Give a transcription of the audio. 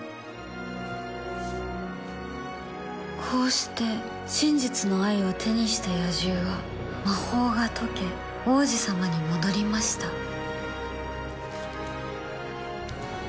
「こうして真実の愛を手にした野獣は魔法が解け王子さまに戻りました」